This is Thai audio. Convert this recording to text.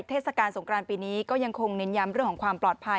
เทศกาลสงครานปีนี้ก็ยังคงเน้นย้ำเรื่องของความปลอดภัย